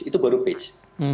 itu baru page